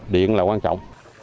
điện là quan trọng